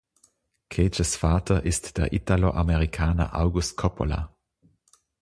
Cages Vater ist der Italoamerikaner August Coppola.